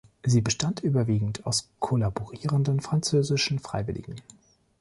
Sie bestand überwiegend aus kollaborierenden französischen Freiwilligen.